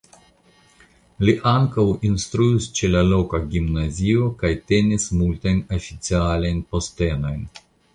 Li ankaŭ instruis ĉe la loka gimnazio kaj tenis multajn oficialajn postenojn.